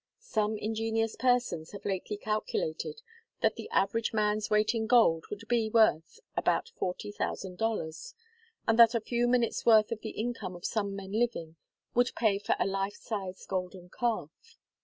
Some ingenious persons have lately calculated that the average man's weight in gold would be worth about forty thousand dollars, and that a few minutes' worth of the income of some men living would pay for a life sized golden calf.